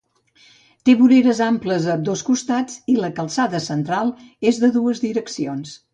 Té voreres amples a ambdós costats i la calçada central és de dues direccions.